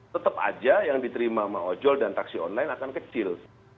tetap aja yang diterima sama ojol dan taksi online akan kecil